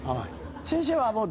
先生はもう。